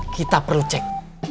kita perlu cek